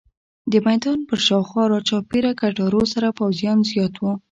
د میدان پر شاوخوا راچاپېره کټارو سره پوځیان زیات وو.